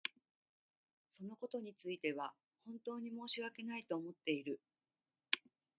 そのことについては本当に申し訳ないと思っている。